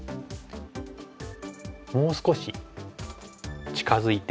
もう少し近づいて。